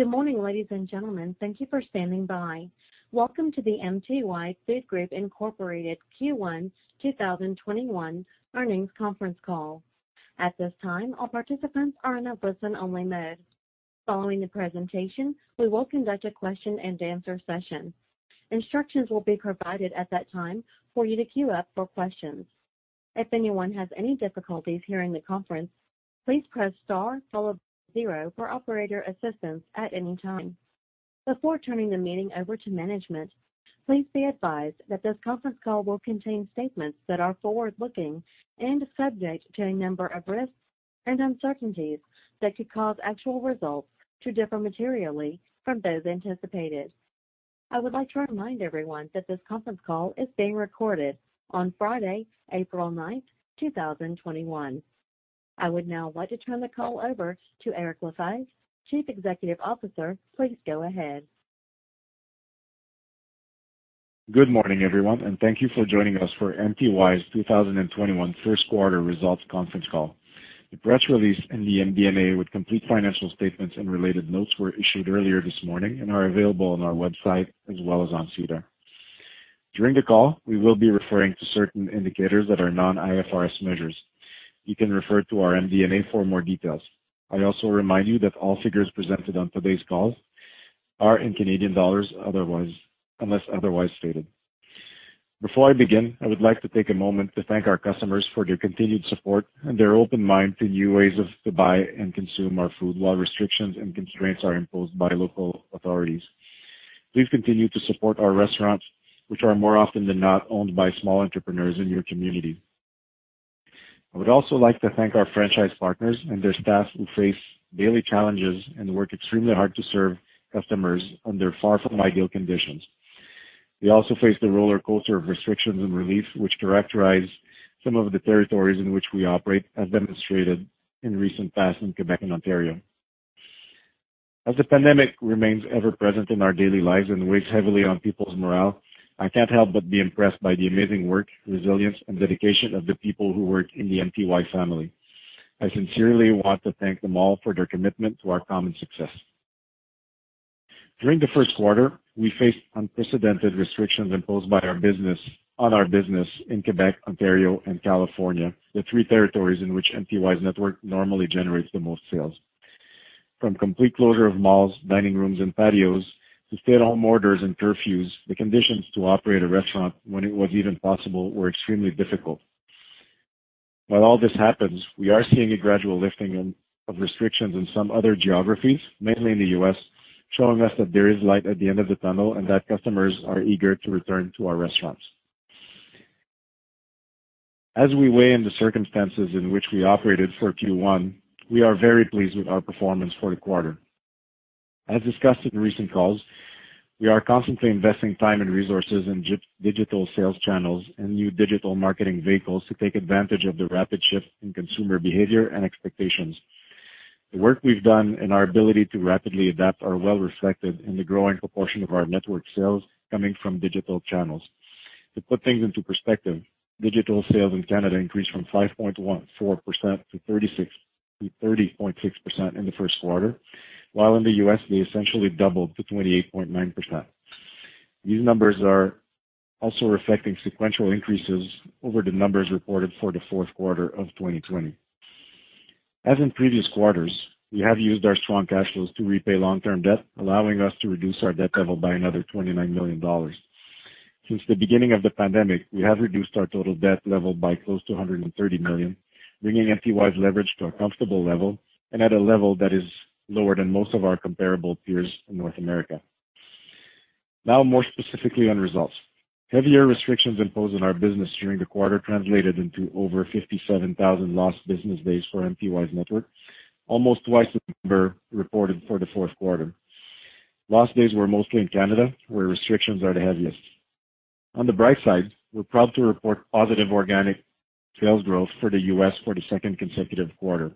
Good morning, ladies and gentlemen. Thank you for standing by. Welcome to the MTY Food Group Inc. Q1 2021 earnings conference call. At this time, all participants are in a listen-only mode. Following the presentation, we will conduct a question and answer session. Instructions will be provided at that time for you to queue up for questions. If anyone has any difficulties hearing the conference, please press star followed by zero for operator assistance at any time. Before turning the meeting over to management, please be advised that this conference call will contain statements that are forward-looking and subject to a number of risks and uncertainties that could cause actual results to differ materially from those anticipated. I would like to remind everyone that this conference call is being recorded on Friday, April 9th, 2021. I would now like to turn the call over to Eric Lefebvre, Chief Executive Officer. Please go ahead. Good morning, everyone. Thank you for joining us for MTY's 2021 first quarter results conference call. The press release and the MD&A with complete financial statements and related notes were issued earlier this morning and are available on our website as well as on SEDAR. During the call, we will be referring to certain indicators that are non-IFRS measures. You can refer to our MD&A for more details. I also remind you that all figures presented on today's call are in Canadian dollars, unless otherwise stated. Before I begin, I would like to take a moment to thank our customers for their continued support and their open mind to new ways to buy and consume our food while restrictions and constraints are imposed by local authorities. Please continue to support our restaurants, which are more often than not owned by small entrepreneurs in your community. I would also like to thank our franchise partners and their staff who face daily challenges and work extremely hard to serve customers under far from ideal conditions. We also face the roller coaster of restrictions and relief, which characterize some of the territories in which we operate, as demonstrated in recent past in Quebec and Ontario. As the pandemic remains ever present in our daily lives and weighs heavily on people's morale, I can't help but be impressed by the amazing work, resilience, and dedication of the people who work in the MTY family. I sincerely want to thank them all for their commitment to our common success. During the first quarter, we faced unprecedented restrictions imposed on our business in Quebec, Ontario and California, the three territories in which MTY's network normally generates the most sales. From complete closure of malls, dining rooms, and patios to stay-at-home orders and curfews, the conditions to operate a restaurant when it was even possible, were extremely difficult. While all this happens, we are seeing a gradual lifting of restrictions in some other geographies, mainly in the U.S., showing us that there is light at the end of the tunnel and that customers are eager to return to our restaurants. As we weigh in the circumstances in which we operated for Q1, we are very pleased with our performance for the quarter. As discussed in recent calls, we are constantly investing time and resources in digital sales channels and new digital marketing vehicles to take advantage of the rapid shift in consumer behavior and expectations. The work we've done and our ability to rapidly adapt are well reflected in the growing proportion of our network sales coming from digital channels. To put things into perspective, digital sales in Canada increased from 5.4% to 30.6% in the first quarter, while in the U.S., they essentially doubled to 28.9%. These numbers are also reflecting sequential increases over the numbers reported for the fourth quarter of 2020. As in previous quarters, we have used our strong cash flows to repay long-term debt, allowing us to reduce our debt level by another 29 million dollars. Since the beginning of the pandemic, we have reduced our total debt level by close to 130 million, bringing MTY's leverage to a comfortable level and at a level that is lower than most of our comparable peers in North America. Now more specifically on results. Heavier restrictions imposed on our business during the quarter translated into over 57,000 lost business days for MTY's network, almost twice the number reported for the fourth quarter. Lost days were mostly in Canada, where restrictions are the heaviest. On the bright side, we're proud to report positive organic sales growth for the U.S. for the second consecutive quarter.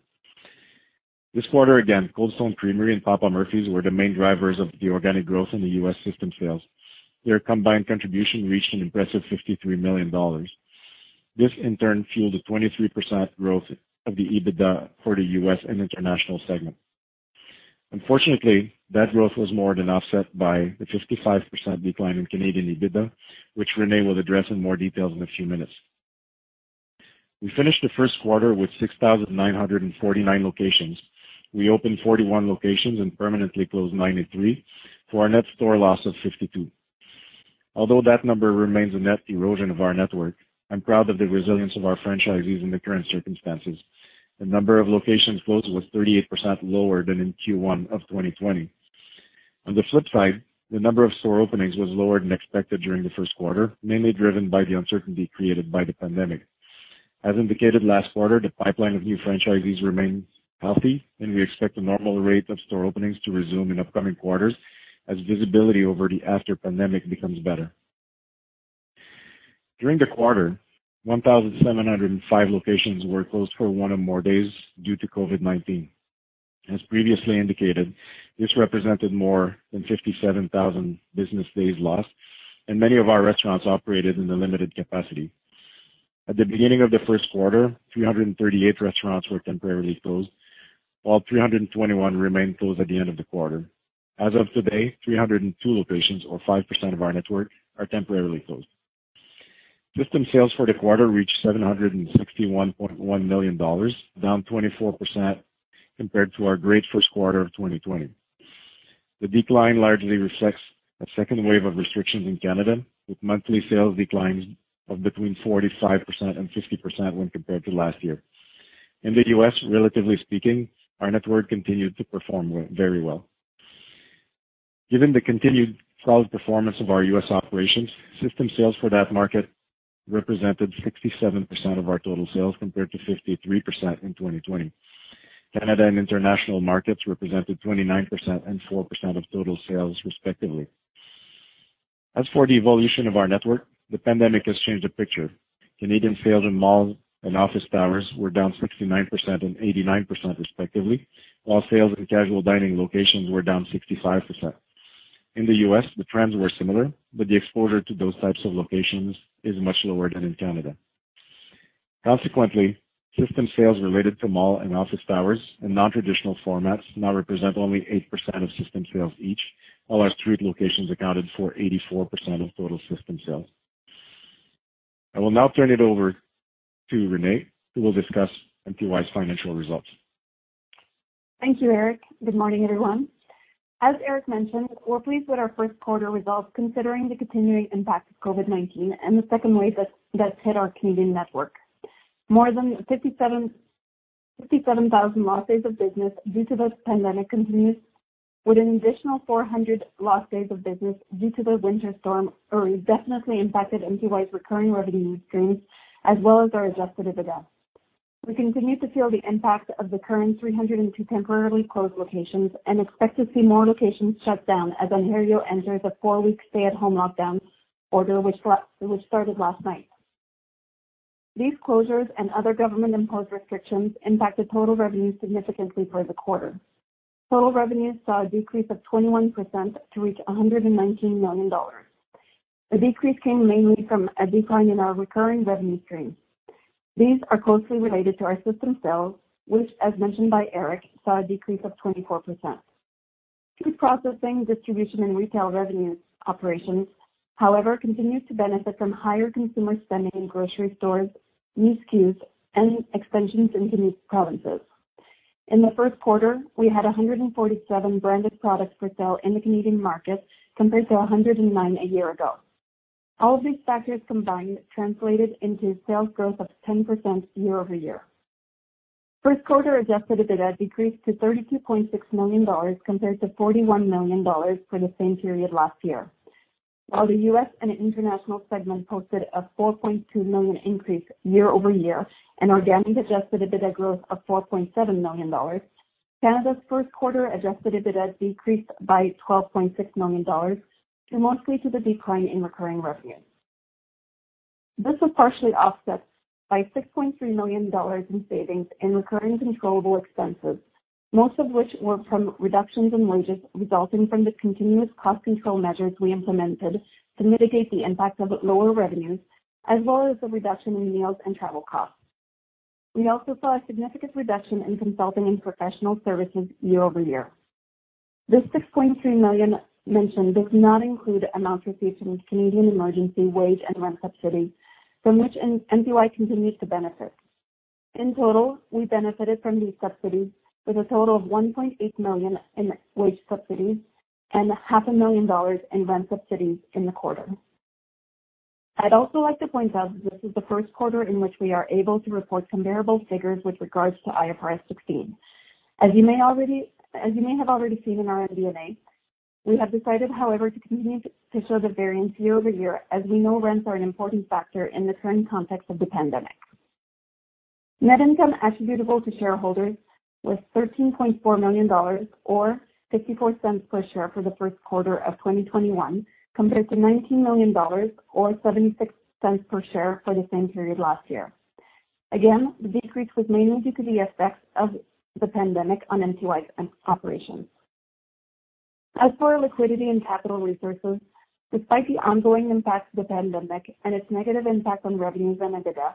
This quarter again, Cold Stone Creamery and Papa Murphy's were the main drivers of the organic growth in the U.S. system sales. Their combined contribution reached an impressive 53 million dollars. This in turn fueled a 23% growth of the EBITDA for the U.S. and international segment. Unfortunately, that growth was more than offset by the 55% decline in Canadian EBITDA, which Renée will address in more details in a few minutes. We finished the first quarter with 6,949 locations. We opened 41 locations and permanently closed 93 for our net store loss of 52. Although that number remains a net erosion of our network, I'm proud of the resilience of our franchisees in the current circumstances. The number of locations closed was 38% lower than in Q1 of 2020. The number of store openings was lower than expected during the first quarter, mainly driven by the uncertainty created by the pandemic. As indicated last quarter, the pipeline of new franchisees remains healthy, and we expect a normal rate of store openings to resume in upcoming quarters as visibility over the after pandemic becomes better. During the quarter, 1,705 locations were closed for one or more days due to COVID-19. As previously indicated, this represented more than 57,000 business days lost, and many of our restaurants operated in a limited capacity. At the beginning of the first quarter, 338 restaurants were temporarily closed, while 321 remained closed at the end of the quarter. As of today, 302 locations or 5% of our network are temporarily closed. System sales for the quarter reached 761.1 million dollars, down 24% compared to our great first quarter of 2020. The decline largely reflects a second wave of restrictions in Canada, with monthly sales declines of between 45% and 50% when compared to last year. In the U.S., relatively speaking, our network continued to perform very well. Given the continued solid performance of our U.S. operations, system sales for that market represented 67% of our total sales, compared to 53% in 2020. Canada and international markets represented 29% and 4% of total sales respectively. As for the evolution of our network, the pandemic has changed the picture. Canadian sales in malls and office towers were down 69% and 89% respectively, while sales in casual dining locations were down 65%. In the U.S., the trends were similar, but the exposure to those types of locations is much lower than in Canada. Consequently, system sales related to mall and office towers and non-traditional formats now represent only 8% of system sales each, while our street locations accounted for 84% of total system sales. I will now turn it over to Renée, who will discuss MTY's financial results. Thank you, Eric. Good morning, everyone. As Eric mentioned, we're pleased with our first quarter results considering the continuing impact of COVID-19 and the second wave that's hit our Canadian network. More than 57,000 lost days of business due to the pandemic continues, with an additional 400 lost days of business due to the winter storm, or indefinitely impacted MTY's recurring revenue streams, as well as our Adjusted EBITDA. We continue to feel the impact of the current 302 temporarily closed locations and expect to see more locations shut down as Ontario enters a four-week stay-at-home lockdown order, which started last night. These closures and other government-imposed restrictions impacted total revenues significantly for the quarter. Total revenues saw a decrease of 21% to reach 119 million dollars. The decrease came mainly from a decline in our recurring revenue stream. These are closely related to our system sales, which, as mentioned by Eric, saw a decrease of 24%. Food processing, distribution, and retail revenue operations, however, continued to benefit from higher consumer spending in grocery stores, new SKUs, and extensions in Canadian provinces. In the first quarter, we had 147 branded products for sale in the Canadian market, compared to 109 a year ago. All of these factors combined translated into sales growth of 10% year-over-year. First quarter Adjusted EBITDA decreased to 32.6 million dollars compared to 41 million dollars for the same period last year. While the U.S. and international segment posted a 4.2 million increase year-over-year and organic Adjusted EBITDA growth of 4.7 million dollars, Canada's first quarter Adjusted EBITDA decreased by 12.6 million dollars, mostly to the decline in recurring revenues. This was partially offset by 6.3 million dollars in savings in recurring controllable expenses, most of which were from reductions in wages resulting from the continuous cost control measures we implemented to mitigate the impact of lower revenues, as well as the reduction in meals and travel costs. We also saw a significant reduction in consulting and professional services year over year. This 6.3 million mentioned does not include amounts received from Canada Emergency Wage and Rent Subsidy, from which MTY continues to benefit. In total, we benefited from these subsidies with a total of 1.8 million in wage subsidies and half a million CAD in rent subsidies in the quarter. I'd also like to point out that this is the first quarter in which we are able to report comparable figures with regards to IFRS 16. As you may have already seen in our MD&A, we have decided, however, to continue to show the variance year-over-year as we know rents are an important factor in the current context of the pandemic. Net income attributable to shareholders was 13.4 million dollars or 0.64 per share for the first quarter of 2021, compared to 19 million dollars or 0.76 per share for the same period last year. Again, the decrease was mainly due to the effects of the pandemic on MTY's operations. As for our liquidity and capital resources, despite the ongoing impact of the pandemic and its negative impact on revenues and EBITDA,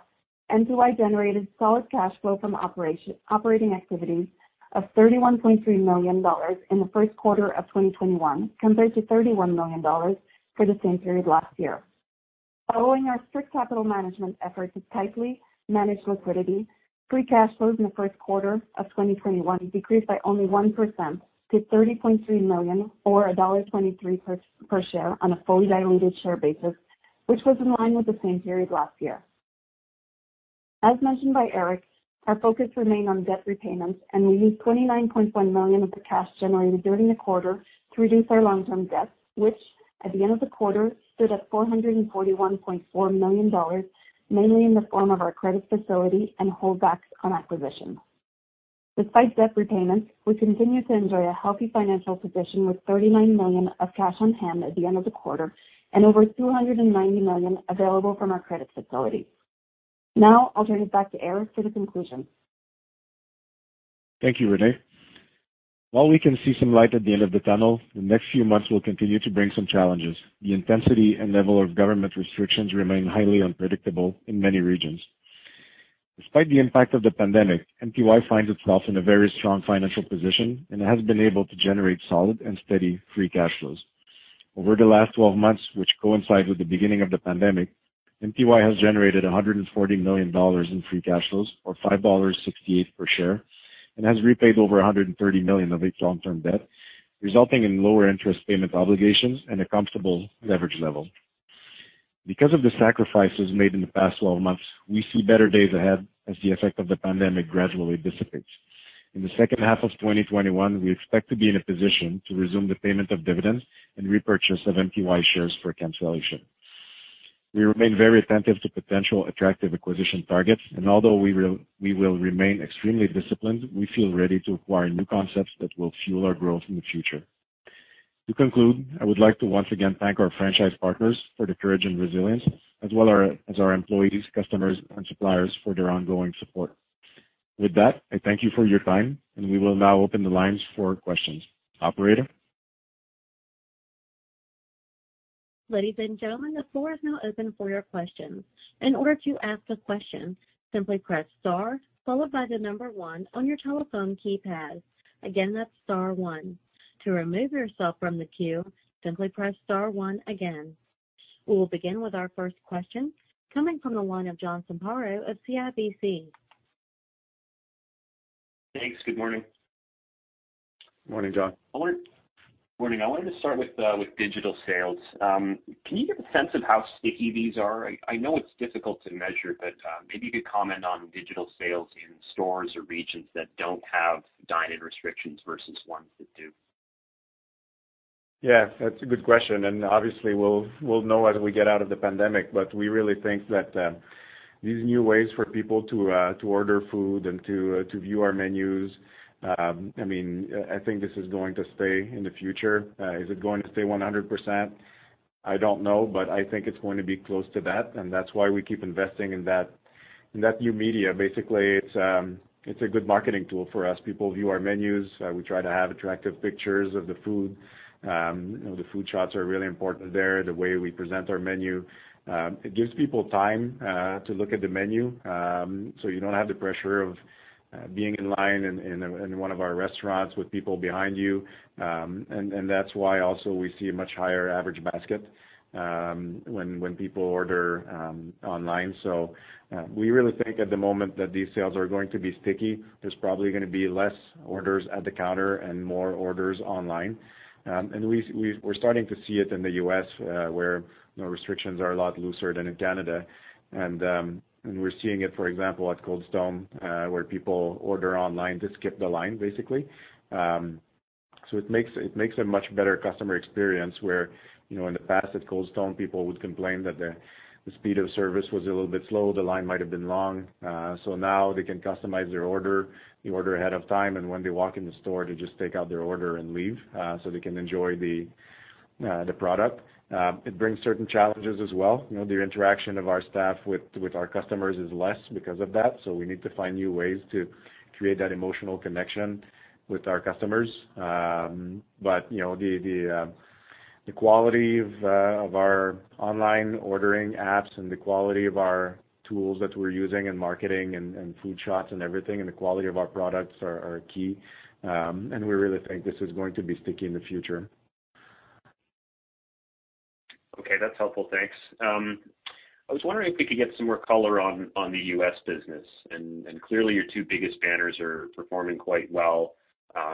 MTY generated solid cash flow from operating activities of 31.3 million dollars in the first quarter of 2021, compared to 31 million dollars for the same period last year. Following our strict capital management efforts to tightly manage liquidity, free cash flows in the first quarter of 2021 decreased by only 1% to 30.3 million or dollar 1.23 per share on a fully diluted share basis, which was in line with the same period last year. As mentioned by Eric, our focus remained on debt repayments, and we used 29.1 million of the cash generated during the quarter to reduce our long-term debts, which, at the end of the quarter, stood at 441.4 million dollars, mainly in the form of our credit facility and holdbacks on acquisitions. Despite debt repayments, we continue to enjoy a healthy financial position with 39 million of cash on hand at the end of the quarter and over 290 million available from our credit facility. Now I'll turn it back to Eric for the conclusion. Thank you, Renée. While we can see some light at the end of the tunnel, the next few months will continue to bring some challenges. The intensity and level of government restrictions remain highly unpredictable in many regions. Despite the impact of the pandemic, MTY finds itself in a very strong financial position and has been able to generate solid and steady free cash flows. Over the last 12 months, which coincide with the beginning of the pandemic, MTY has generated 140 million dollars in free cash flows or 5.68 dollars per share, and has repaid over 130 million of its long-term debt, resulting in lower interest payment obligations and a comfortable leverage level. Because of the sacrifices made in the past 12 months, we see better days ahead as the effect of the pandemic gradually dissipates. In the second half of 2021, we expect to be in a position to resume the payment of dividends and repurchase of MTY shares for cancellation. We remain very attentive to potential attractive acquisition targets, and although we will remain extremely disciplined, we feel ready to acquire new concepts that will fuel our growth in the future. To conclude, I would like to once again thank our franchise partners for their courage and resilience, as well as our employees, customers, and suppliers for their ongoing support. With that, I thank you for your time, and we will now open the lines for questions. Operator? We will begin with our first question coming from the line of John Zamparo of CIBC. Thanks. Good morning. Morning, John. Morning. I wanted to start with digital sales. Can you give a sense of how sticky these are? I know it's difficult to measure, but maybe you could comment on digital sales in stores or regions that don't have dine-in restrictions versus ones that do. Yeah, that's a good question, and obviously, we'll know as we get out of the pandemic, but we really think that these new ways for people to order food and to view our menus, I think this is going to stay in the future. Is it going to stay 100%? I don't know, but I think it's going to be close to that, and that's why we keep investing in that new media. Basically, it's a good marketing tool for us. People view our menus. We try to have attractive pictures of the food. The food shots are really important there, the way we present our menu. It gives people time to look at the menu, so you don't have the pressure of being in line in one of our restaurants with people behind you, and that's why also we see a much higher average basket when people order online. We really think at the moment that these sales are going to be sticky. There's probably going to be less orders at the counter and more orders online. We're starting to see it in the U.S., where restrictions are a lot looser than in Canada. We're seeing it, for example, at Cold Stone, where people order online to skip the line, basically. It makes a much better customer experience, where in the past at Cold Stone, people would complain that the speed of service was a little bit slow, the line might have been long. Now they can customize their order. They order ahead of time, and when they walk in the store, they just take out their order and leave, so they can enjoy the product. It brings certain challenges as well. The interaction of our staff with our customers is less because of that. We need to find new ways to create that emotional connection with our customers. The quality of our online ordering apps and the quality of our tools that we're using in marketing and food shots and everything, and the quality of our products are key. We really think this is going to be sticky in the future. Okay, that's helpful. Thanks. I was wondering if we could get some more color on the U.S. business. Clearly, your two biggest banners are performing quite well.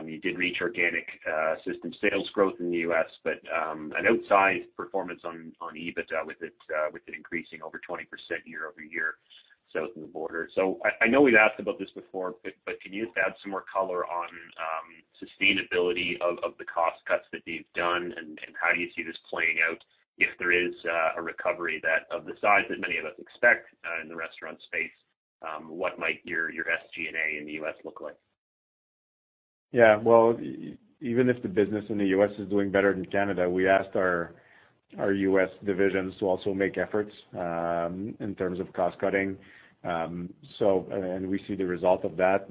You did reach organic system sales growth in the U.S., an outsized performance on EBITDA, with it increasing over 20% year-over-year south of the border. I know we've asked about this before, can you just add some more color on sustainability of the cost cuts that you've done, and how do you see this playing out if there is a recovery of the size that many of us expect in the restaurant space? What might your SG&A in the U.S. look like? Yeah. Well, even if the business in the U.S. is doing better than Canada, we asked our U.S. divisions to also make efforts in terms of cost-cutting. We see the result of that.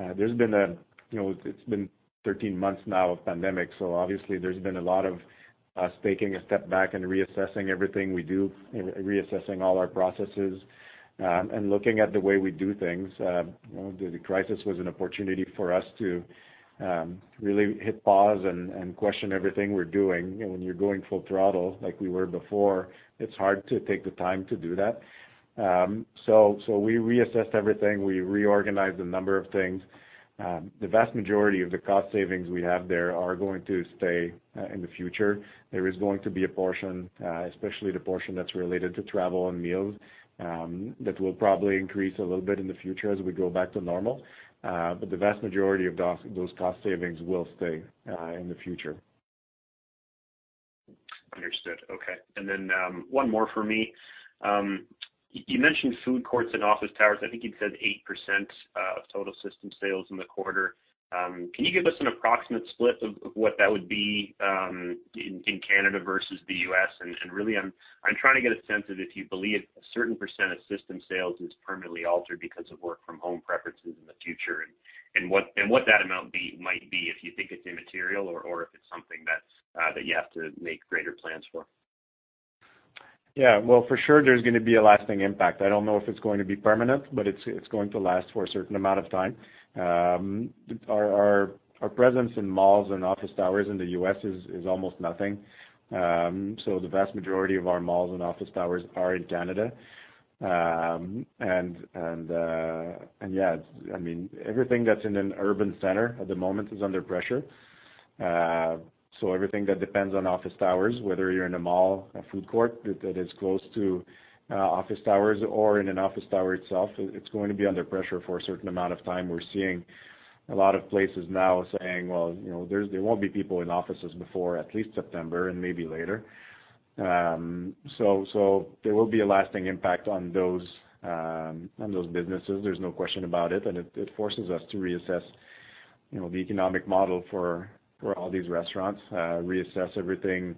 It's been 13 months now of pandemic, so obviously, there's been a lot of us taking a step back and reassessing everything we do, reassessing all our processes, and looking at the way we do things. The crisis was an opportunity for us to really hit pause and question everything we're doing. When you're going full throttle, like we were before, it's hard to take the time to do that. We reassessed everything. We reorganized a number of things. The vast majority of the cost savings we have there are going to stay in the future. There is going to be a portion, especially the portion that's related to travel and meals, that will probably increase a little bit in the future as we go back to normal. The vast majority of those cost savings will stay in the future. Understood. Okay. One more for me. You mentioned food courts and office towers. I think you said 8% of total system sales in the quarter. Can you give us an approximate split of what that would be in Canada versus the U.S.? I'm trying to get a sense of if you believe a certain % of system sales is permanently altered because of work from home preferences in the future, and what that amount might be, if you think it's immaterial or if it's something that you have to make greater plans for. Yeah. Well, for sure there's going to be a lasting impact. I don't know if it's going to be permanent, but it's going to last for a certain amount of time. Our presence in malls and office towers in the U.S. is almost nothing. The vast majority of our malls and office towers are in Canada. Yeah, everything that's in an urban center at the moment is under pressure. Everything that depends on office towers, whether you're in a mall, a food court, that is close to office towers or in an office tower itself, it's going to be under pressure for a certain amount of time. We're seeing a lot of places now saying, well, there won't be people in offices before at least September and maybe later. There will be a lasting impact on those businesses. There's no question about it. It forces us to reassess the economic model for all these restaurants, reassess everything,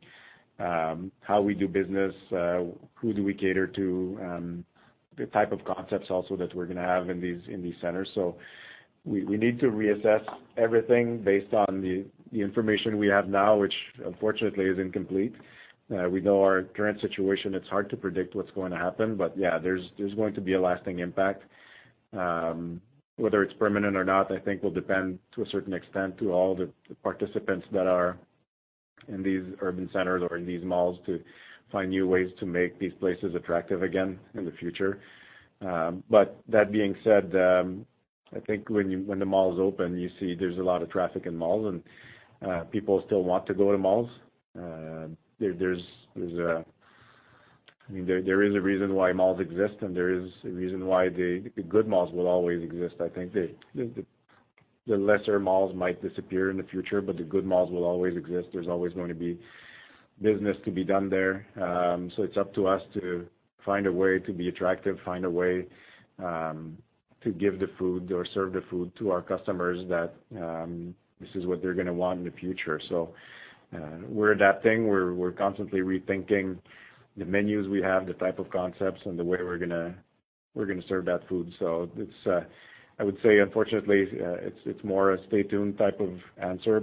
how we do business, who do we cater to, the type of concepts also that we're going to have in these centers. We need to reassess everything based on the information we have now, which unfortunately is incomplete. We know our current situation, it's hard to predict what's going to happen, there's going to be a lasting impact. Whether it's permanent or not, I think will depend to a certain extent to all the participants that are in these urban centers or in these malls to find new ways to make these places attractive again in the future. That being said, I think when the malls open, you see there's a lot of traffic in malls and people still want to go to malls. There is a reason why malls exist and there is a reason why the good malls will always exist. I think the lesser malls might disappear in the future, but the good malls will always exist. There's always going to be business to be done there. It's up to us to find a way to be attractive, find a way to give the food or serve the food to our customers that this is what they're going to want in the future. We're adapting, we're constantly rethinking the menus we have, the type of concepts and the way we're going to serve that food. I would say, unfortunately, it's more a stay tuned type of answer.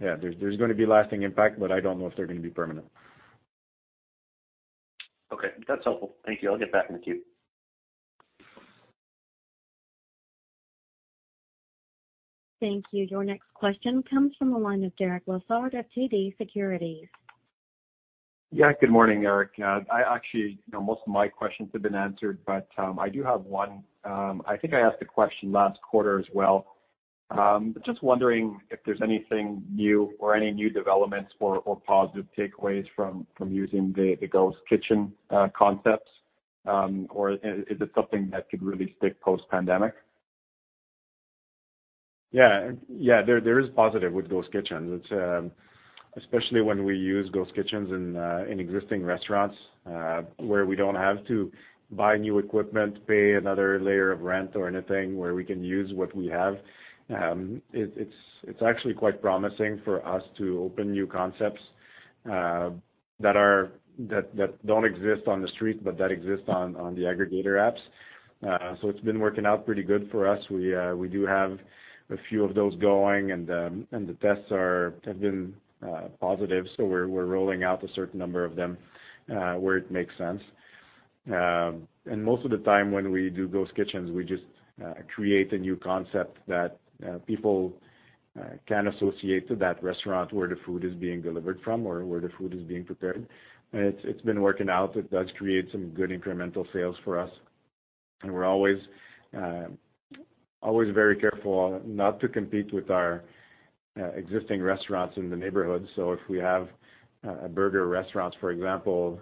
Yeah, there's going to be lasting impact, but I don't know if they're going to be permanent. Okay, that's helpful. Thank you. I'll get back in the queue. Thank you. Your next question comes from the line of Derek Lessard of TD Securities. Yeah, good morning, Eric. Actually, most of my questions have been answered, but, I do have one. I think I asked a question last quarter as well. Just wondering if there's anything new or any new developments or positive takeaways from using the ghost kitchen concepts. Is it something that could really stick post-pandemic? Yeah. There is positive with ghost kitchens, especially when we use ghost kitchens in existing restaurants, where we don't have to buy new equipment, pay another layer of rent or anything, where we can use what we have. It's actually quite promising for us to open new concepts that don't exist on the street, but that exist on the aggregator apps. It's been working out pretty good for us. We do have a few of those going and the tests have been positive. We're rolling out a certain number of them, where it makes sense. Most of the time when we do ghost kitchens, we just create a new concept that people can associate to that restaurant where the food is being delivered from or where the food is being prepared. It's been working out. It does create some good incremental sales for us. We're always very careful not to compete with our existing restaurants in the neighborhood. If we have burger restaurants, for example,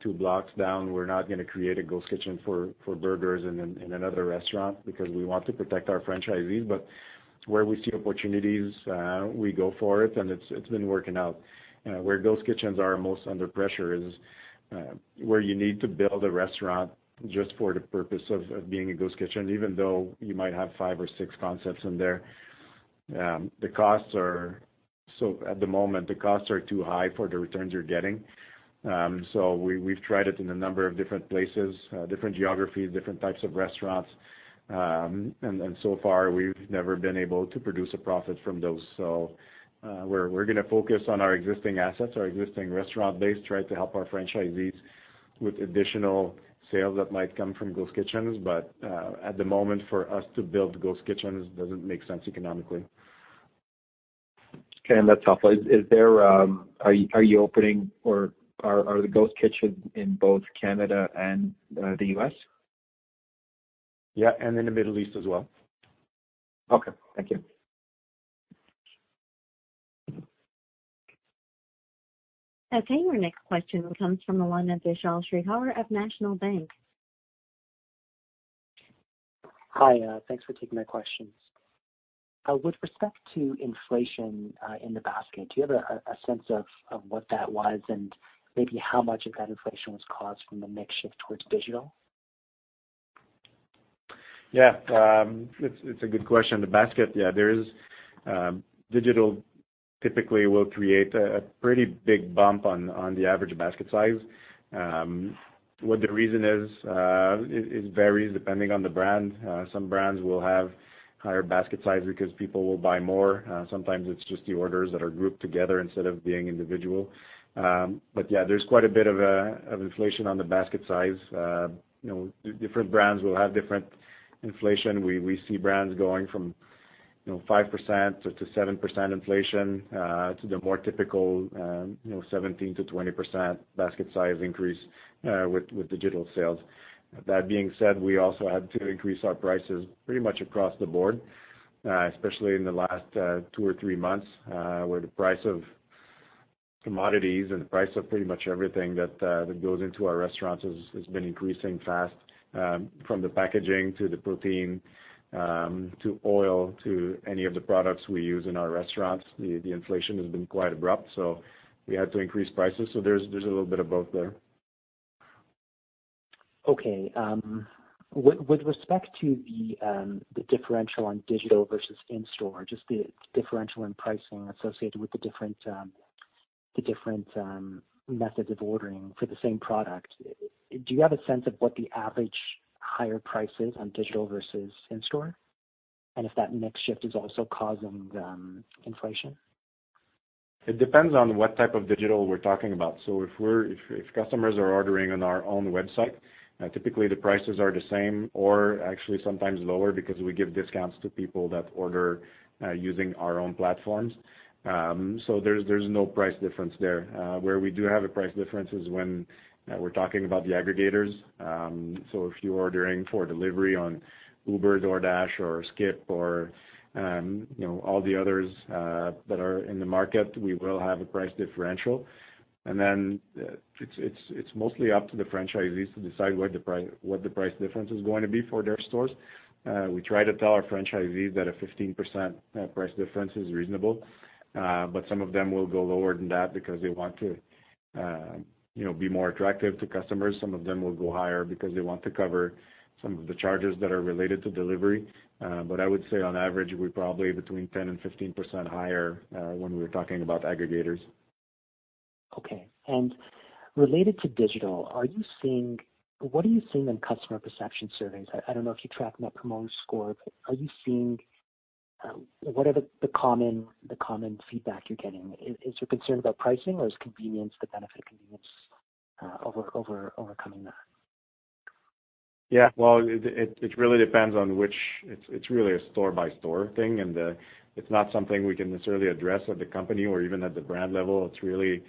two blocks down, we're not going to create a ghost kitchen for burgers in another restaurant because we want to protect our franchisees. Where we see opportunities, we go for it, and it's been working out. Where ghost kitchens are most under pressure is where you need to build a restaurant just for the purpose of being a ghost kitchen, even though you might have five or six concepts in there. At the moment, the costs are too high for the returns you're getting. We've tried it in a number of different places, different geographies, different types of restaurants, and so far we've never been able to produce a profit from those. We're going to focus on our existing assets, our existing restaurant base, try to help our franchisees with additional sales that might come from ghost kitchens. At the moment, for us to build ghost kitchens doesn't make sense economically. Okay. That's helpful. Are you opening, or are the ghost kitchens in both Canada and the U.S.? Yeah. In the Middle East as well. Okay. Thank you. Okay, your next question comes from the line of Vishal Shreedhar of National Bank. Hi. Thanks for taking my questions. With respect to inflation in the basket, do you have a sense of what that was and maybe how much of that inflation was caused from the mix shift towards digital? Yeah. It's a good question. The basket, yeah, digital typically will create a pretty big bump on the average basket size. What the reason is, it varies depending on the brand. Some brands will have higher basket size because people will buy more. Sometimes it's just the orders that are grouped together instead of being individual. Yeah, there's quite a bit of inflation on the basket size. Different brands will have different inflation. We see brands going from 5%-7% inflation, to the more typical 17%-20% basket size increase with digital sales. That being said, we also had to increase our prices pretty much across the board, especially in the last two or three months, where the price of commodities and the price of pretty much everything that goes into our restaurants has been increasing fast. From the packaging, to the protein, to oil, to any of the products we use in our restaurants, the inflation has been quite abrupt, so we had to increase prices. There's a little bit of both there. Okay. With respect to the differential on digital versus in-store, just the differential in pricing associated with the different methods of ordering for the same product, do you have a sense of what the average higher price is on digital versus in-store? If that mix shift is also causing the inflation? It depends on what type of digital we're talking about. If customers are ordering on our own website, typically the prices are the same or actually sometimes lower because we give discounts to people that order using our own platforms. There's no price difference there. Where we do have a price difference is when we're talking about the aggregators. If you're ordering for delivery on Uber, DoorDash, or SkipTheDishes, or all the others that are in the market, we will have a price differential. Then it's mostly up to the franchisees to decide what the price difference is going to be for their stores. We try to tell our franchisees that a 15% price difference is reasonable, but some of them will go lower than that because they want to be more attractive to customers. Some of them will go higher because they want to cover some of the charges that are related to delivery. I would say on average, we're probably between 10% and 15% higher when we are talking about aggregators. Okay. Related to digital, what are you seeing on customer perception surveys? I don't know if you track Net Promoter Score, what are the common feedback you're getting? Is there concern about pricing, or is the benefit of convenience overcoming that? Yeah. Well, it's really a store-by-store thing, and it's not something we can necessarily address at the company or even at the brand level. It's really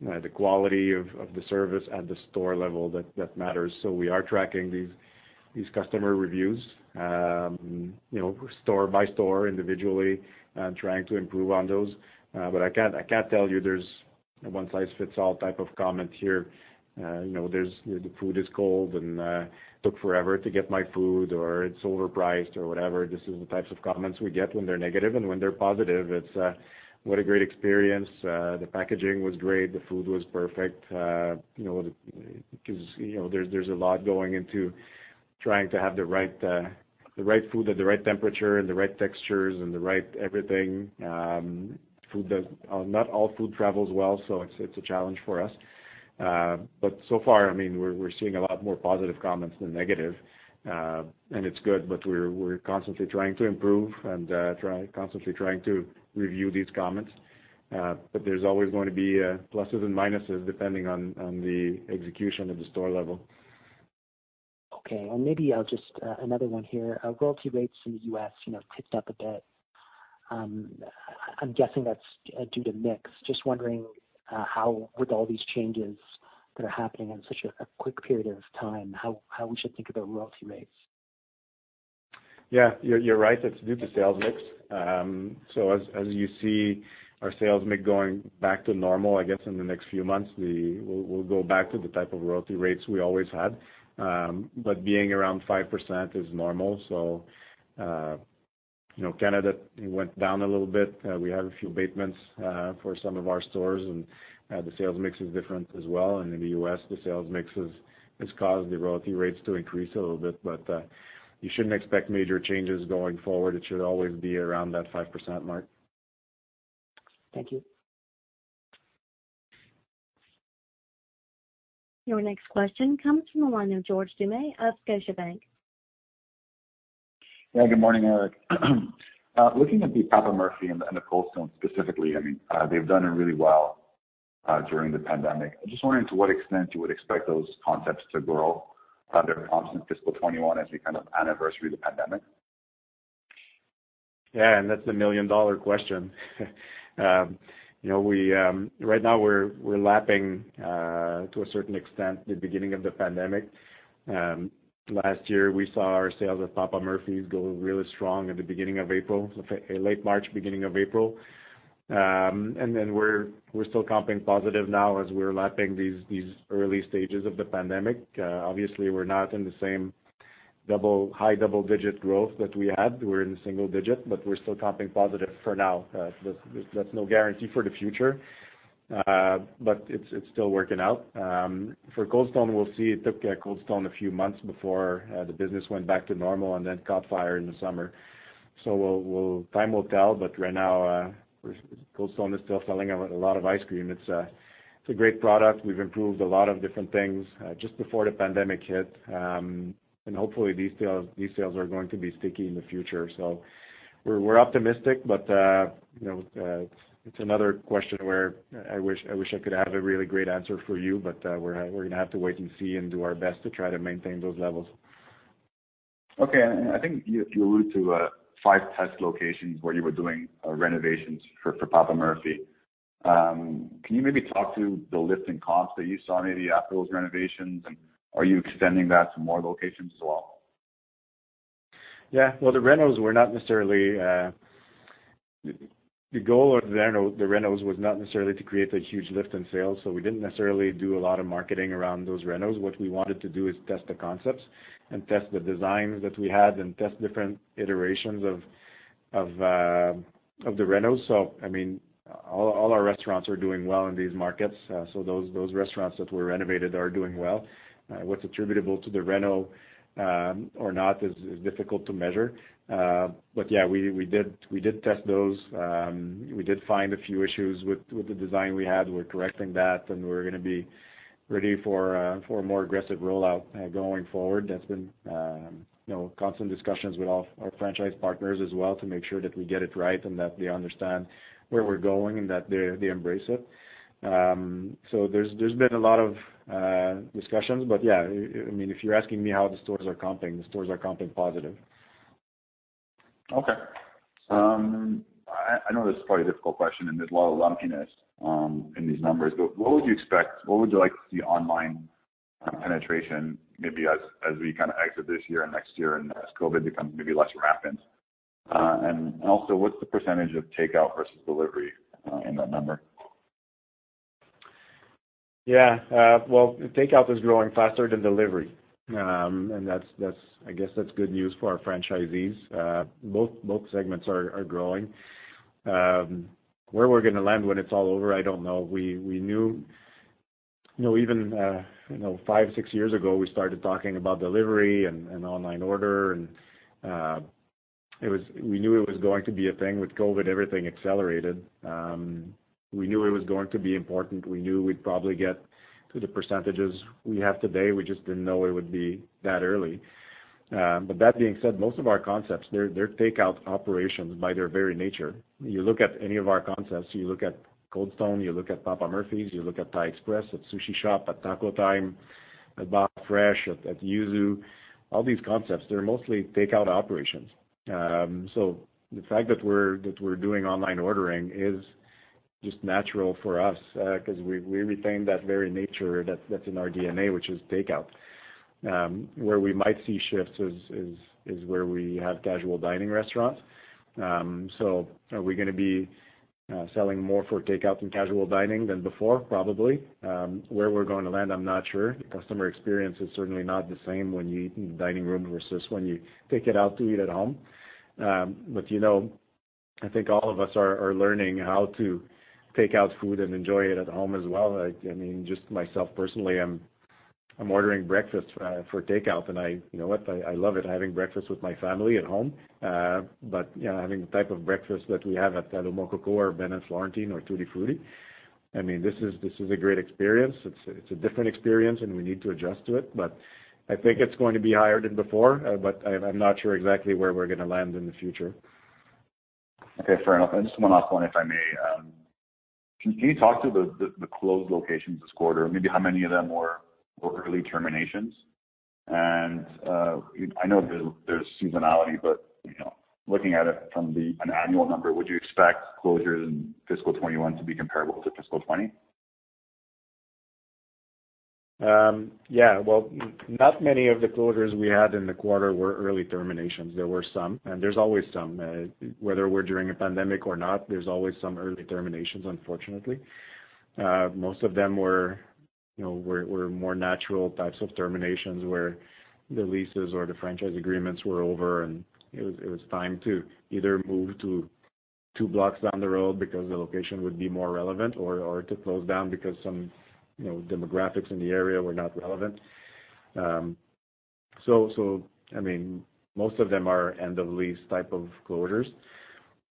the quality of the service at the store level that matters. We are tracking these customer reviews, store by store, individually, and trying to improve on those. I can't tell you there's a one-size-fits-all type of comment here. There's, "The food is cold," and, "Took forever to get my food," or, "It's overpriced," or whatever. This is the types of comments we get when they're negative, and when they're positive, it's, "What a great experience. The packaging was great. The food was perfect." There's a lot going into trying to have the right food at the right temperature and the right textures and the right everything. Not all food travels well, so it's a challenge for us. So far, we're seeing a lot more positive comments than negative, and it's good. We're constantly trying to improve and constantly trying to review these comments. There's always going to be pluses and minuses depending on the execution at the store level. Okay. Another one here. Royalty rates in the U.S. ticked up a bit. I'm guessing that's due to mix. Just wondering how, with all these changes that are happening in such a quick period of time, how we should think about royalty rates. Yeah. You're right, it's due to sales mix. As you see our sales mix going back to normal, I guess in the next few months, we'll go back to the type of royalty rates we always had. Being around 5% is normal. Canada went down a little bit. We have a few abatements for some of our stores, and the sales mix is different as well. In the U.S., the sales mix has caused the royalty rates to increase a little bit. You shouldn't expect major changes going forward. It should always be around that 5% mark. Thank you. Your next question comes from the line of George Doumet of Scotiabank. Good morning, Eric. Looking at the Papa Murphy's and the Cold Stone specifically, they've done really well during the pandemic. I'm just wondering to what extent you would expect those concepts to grow their comparison in fiscal 2021 as we kind of anniversary the pandemic. Yeah, that's the million-dollar question. Right now, we're lapping, to a certain extent, the beginning of the pandemic. Last year, we saw our sales at Papa Murphy's go really strong at late March, beginning of April. We're still comping positive now as we're lapping these early stages of the pandemic. Obviously, we're not in the same high double-digit growth that we had. We're in single digit, but we're still comping positive for now. That's no guarantee for the future, but it's still working out. For Cold Stone, we'll see. It took Cold Stone a few months before the business went back to normal and then caught fire in the summer. Time will tell, but right now, Cold Stone is still selling a lot of ice cream. It's a great product. We've improved a lot of different things just before the pandemic hit. Hopefully these sales are going to be sticky in the future. We're optimistic, but it's another question where I wish I could have a really great answer for you, but we're going to have to wait and see and do our best to try to maintain those levels. Okay. I think you allude to five test locations where you were doing renovations for Papa Murphy's. Can you maybe talk to the lift in comps that you saw maybe after those renovations? Are you extending that to more locations as well? Yeah. Well, the goal of the renos was not necessarily to create a huge lift in sales. We didn't necessarily do a lot of marketing around those renos. What we wanted to do is test the concepts and test the designs that we had and test different iterations of the renos. All our restaurants are doing well in these markets. Those restaurants that were renovated are doing well. What's attributable to the reno or not is difficult to measure. But yeah, we did test those. We did find a few issues with the design we had. We're correcting that, and we're going to be ready for a more aggressive rollout going forward. There's been constant discussions with all our franchise partners as well to make sure that we get it right and that they understand where we're going and that they embrace it. There's been a lot of discussions. Yeah, if you're asking me how the stores are comping, the stores are comping positive. Okay. I know this is probably a difficult question, and there's a lot of lumpiness in these numbers, but what would you like to see online penetration maybe as we exit this year and next year, and as COVID becomes maybe less rampant? What's the percentage of takeout versus delivery in that number? Yeah. Well, takeout is growing faster than delivery. I guess that's good news for our franchisees. Both segments are growing. Where we're going to land when it's all over, I don't know. Even five, six years ago, we started talking about delivery and online order, and we knew it was going to be a thing. With COVID, everything accelerated. We knew it was going to be important. We knew we'd probably get to the percentages we have today. We just didn't know it would be that early. That being said, most of our concepts, they're takeout operations by their very nature. You look at any of our concepts, you look at Cold Stone, you look at Papa Murphy's, you look at Thaï Express, at Sushi Shop, at Taco Time, at Baja Fresh, at Yuzu, all these concepts, they're mostly takeout operations. The fact that we're doing online ordering is just natural for us because we retain that very nature that's in our DNA, which is takeout. Where we might see shifts is where we have casual dining restaurants. Are we going to be selling more for takeout from casual dining than before? Probably. Where we're going to land, I'm not sure. The customer experience is certainly not the same when you eat in the dining room versus when you take it out to eat at home. I think all of us are learning how to take out food and enjoy it at home as well. Just myself personally, I'm ordering breakfast for takeout, and you know what? I love it, having breakfast with my family at home. Having the type of breakfast that we have at Allô! Mon Coco or Ben & Florentine or Tutti Frutti, this is a great experience. It's a different experience, and we need to adjust to it. I think it's going to be higher than before, but I'm not sure exactly where we're going to land in the future. Okay, fair enough. Just one last one, if I may. Can you talk to the closed locations this quarter? Maybe how many of them were early terminations? I know there's seasonality, but looking at it from an annual number, would you expect closures in fiscal 2021 to be comparable to fiscal 2020? Yeah. Well, not many of the closures we had in the quarter were early terminations. There were some, and there's always some. Whether we're during a pandemic or not, there's always some early terminations, unfortunately. Most of them were more natural types of terminations, where the leases or the franchise agreements were over, and it was time to either move to two blocks down the road because the location would be more relevant or to close down because some demographics in the area were not relevant. Most of them are end-of-lease type of closures.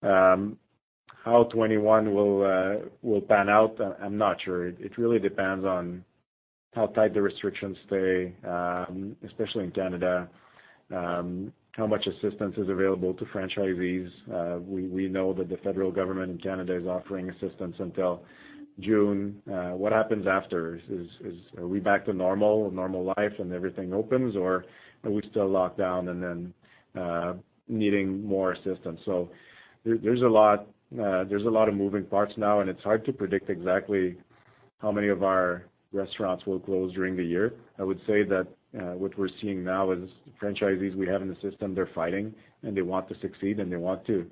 How 2021 will pan out, I'm not sure. It really depends on how tight the restrictions stay, especially in Canada, how much assistance is available to franchisees. We know that the federal government in Canada is offering assistance until June. What happens after? Are we back to normal life and everything opens, or are we still locked down and then needing more assistance? There's a lot of moving parts now, and it's hard to predict exactly how many of our restaurants will close during the year? I would say that what we're seeing now is the franchisees we have in the system, they're fighting, and they want to succeed, and they want to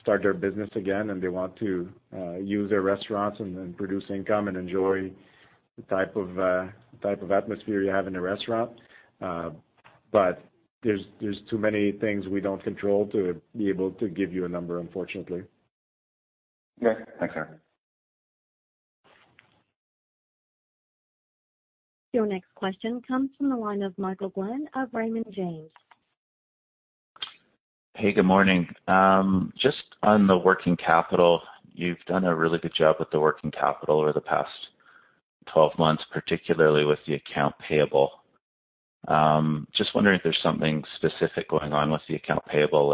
start their business again, and they want to use their restaurants and produce income and enjoy the type of atmosphere you have in a restaurant. There's too many things we don't control to be able to give you a number, unfortunately. Okay. Thanks, Eric. Your next question comes from the line of Michael Glen of Raymond James. Hey, good morning. Just on the working capital, you've done a really good job with the working capital over the past 12 months, particularly with the account payable. Just wondering if there's something specific going on with the account payable,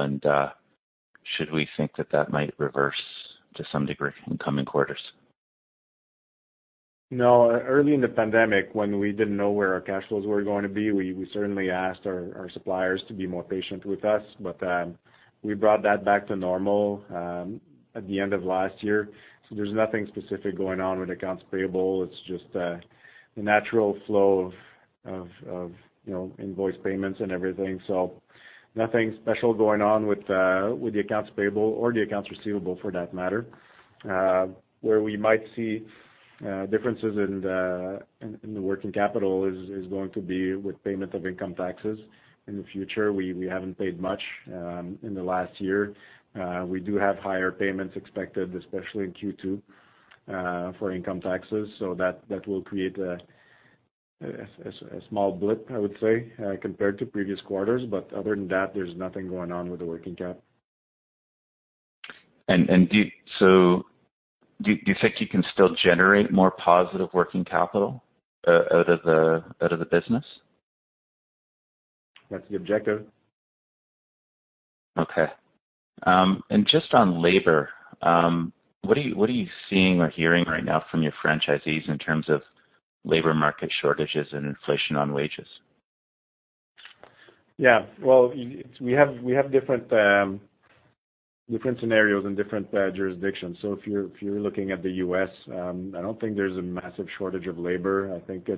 should we think that that might reverse to some degree in coming quarters? No, early in the pandemic, when we didn't know where our cash flows were going to be, we certainly asked our suppliers to be more patient with us. We brought that back to normal at the end of last year. There's nothing specific going on with accounts payable. It's just the natural flow of invoice payments and everything. Nothing special going on with the accounts payable or the accounts receivable for that matter. Where we might see differences in the working capital is going to be with payment of income taxes in the future. We haven't paid much in the last year. We do have higher payments expected, especially in Q2, for income taxes. That will create a small blip, I would say, compared to previous quarters. Other than that, there's nothing going on with the working cap. Do you think you can still generate more positive working capital out of the business? That's the objective. Okay. Just on labor, what are you seeing or hearing right now from your franchisees in terms of labor market shortages and inflation on wages? Yeah. Well, we have different scenarios in different jurisdictions. If you're looking at the U.S., I don't think there's a massive shortage of labor. I think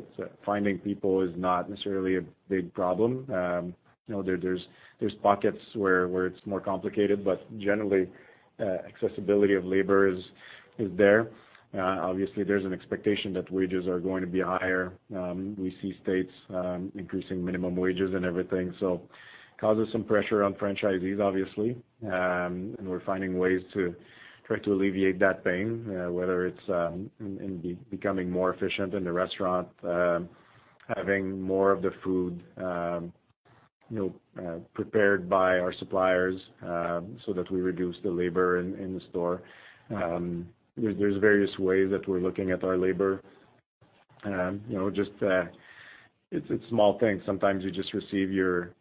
finding people is not necessarily a big problem. There's pockets where it's more complicated, but generally, accessibility of labor is there. Obviously, there's an expectation that wages are going to be higher. We see states increasing minimum wages and everything, so causes some pressure on franchisees, obviously. We're finding ways to try to alleviate that pain, whether it's in becoming more efficient in the restaurant, having more of the food prepared by our suppliers so that we reduce the labor in the store. There's various ways that we're looking at our labor. It's small things. Sometimes you just receive your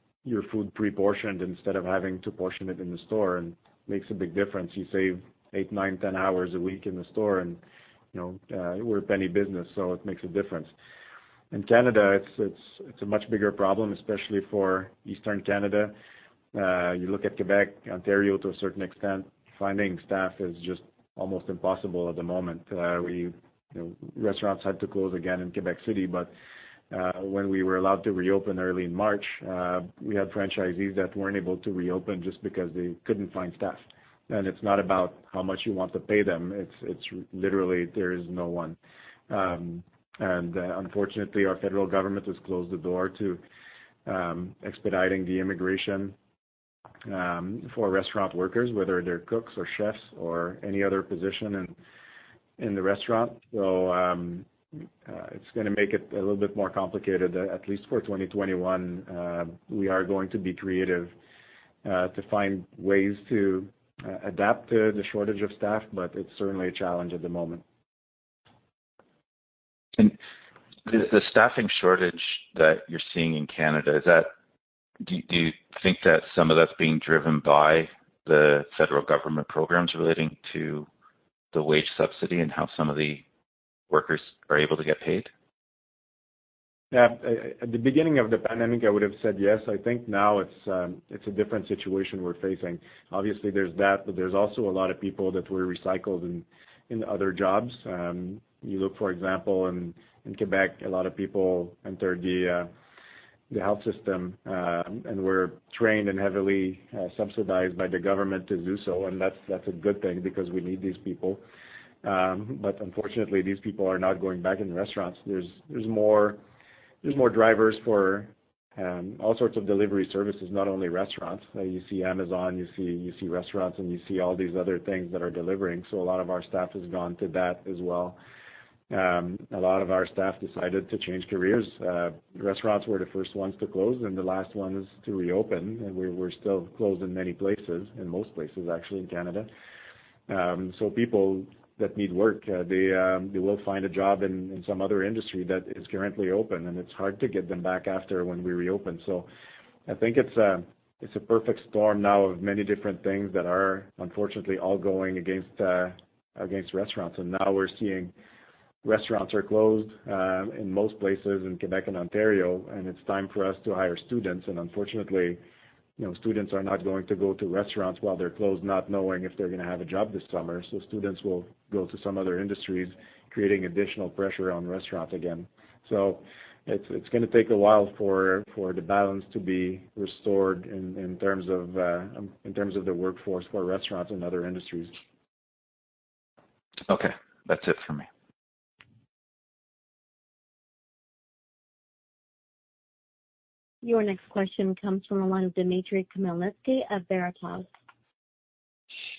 food pre-portioned instead of having to portion it in the store and makes a big difference. You save eight, nine, 10 hours a week in the store, and we're a penny business, so it makes a difference. In Canada, it's a much bigger problem, especially for Eastern Canada. You look at Quebec, Ontario, to a certain extent, finding staff is just almost impossible at the moment. Restaurants had to close again in Quebec City, but when we were allowed to reopen early in March, we had franchisees that weren't able to reopen just because they couldn't find staff. It's not about how much you want to pay them. It's literally there is no one. Unfortunately, our federal government has closed the door to expediting the immigration for restaurant workers, whether they're cooks or chefs or any other position in the restaurant. It's going to make it a little bit more complicated, at least for 2021. We are going to be creative to find ways to adapt to the shortage of staff, but it's certainly a challenge at the moment. The staffing shortage that you're seeing in Canada, do you think that some of that's being driven by the federal government programs relating to the Wage Subsidy and how some of the workers are able to get paid? Yeah. At the beginning of the pandemic, I would have said yes. I think now it's a different situation we're facing. Obviously, there's that, but there's also a lot of people that were recycled in other jobs. You look, for example, in Quebec, a lot of people entered the health system, and were trained and heavily subsidized by the government to do so, and that's a good thing because we need these people. Unfortunately, these people are not going back in the restaurants. There's more drivers for all sorts of delivery services, not only restaurants. You see Amazon, you see restaurants, and you see all these other things that are delivering, so a lot of our staff has gone to that as well. A lot of our staff decided to change careers. Restaurants were the first ones to close and the last ones to reopen, and we're still closed in many places, in most places actually in Canada. People that need work, they will find a job in some other industry that is currently open, and it's hard to get them back after when we reopen. I think it's a perfect storm now of many different things that are unfortunately all going against restaurants. Now we're seeing restaurants are closed in most places in Quebec and Ontario, and it's time for us to hire students, and unfortunately, students are not going to go to restaurants while they're closed, not knowing if they're going to have a job this summer. Students will go to some other industries, creating additional pressure on restaurants again. It's going to take a while for the balance to be restored in terms of the workforce for restaurants and other industries. Okay, that's it for me. Your next question comes from the line of Dimitry Khmelnitsky of Veritas.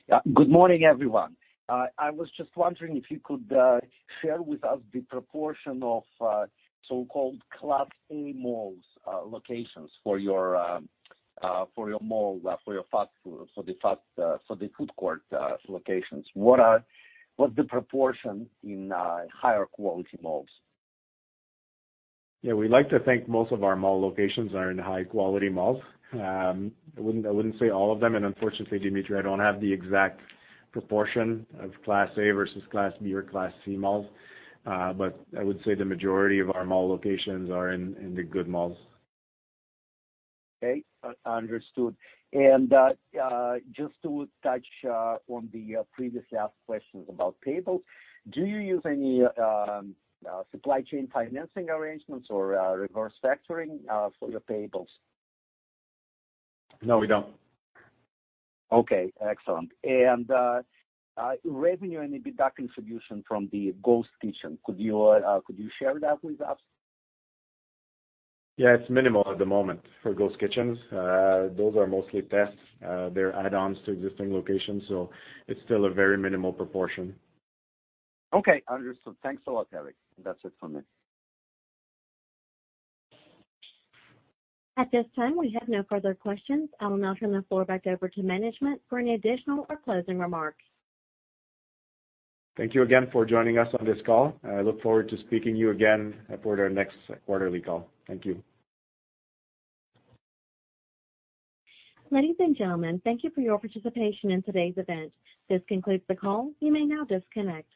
Yeah. Good morning, everyone. I was just wondering if you could share with us the proportion of so-called Class A malls locations for your mall, for the food court locations? What's the proportion in higher quality malls? Yeah, we like to think most of our mall locations are in high-quality malls. I wouldn't say all of them, and unfortunately, Dimitry, I don't have the exact proportion of Class A versus Class B or Class C malls. I would say the majority of our mall locations are in the good malls. Okay. Understood. Just to touch on the previously asked questions about payables, do you use any supply chain financing arrangements or reverse factoring for your payables? No, we don't. Okay. Excellent. Revenue and EBITDA contribution from the ghost kitchen, could you share that with us? Yeah, it's minimal at the moment for ghost kitchens. Those are mostly tests. They're add-ons to existing locations, so it's still a very minimal proportion. Okay, understood. Thanks a lot, Eric. That's it from me. At this time, we have no further questions. I will now turn the floor back over to management for any additional or closing remarks. Thank you again for joining us on this call. I look forward to speaking to you again for our next quarterly call. Thank you. Ladies and gentlemen, thank you for your participation in today's event. This concludes the call. You may now disconnect.